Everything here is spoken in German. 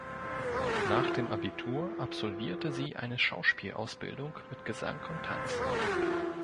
Nach dem Abitur absolvierte sie eine Schauspielausbildung mit Gesang und Tanz.